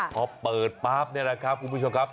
พอเปิดปั๊บนี่แหละครับคุณผู้ชมครับ